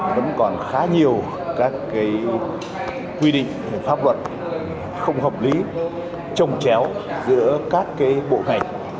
vẫn còn khá nhiều các cái quy định pháp luật không hợp lý trồng chéo giữa các cái bộ ngành